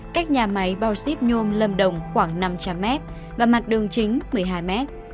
cách nhà máy bao xíp nhôm lâm đồng khoảng năm trăm linh m và mặt đường chính một mươi hai m